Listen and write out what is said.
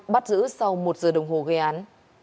bắt giữ sau một giờ đồng hồ gây án